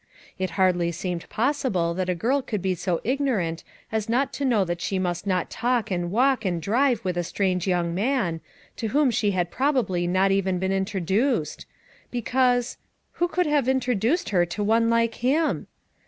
It hardly seemed possible that a girl could be so ignorant as not to know that she must not talk and walk and drive with a strange young man, to whom she had probably not even been introduced; be cause — w ] 10 could have introduced her to one like him?